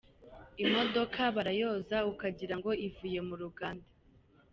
Imodoka barayoza ukagira ngo ivuye mu ruganda.